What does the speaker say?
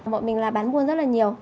bọn mình là bán buôn rất là nhiều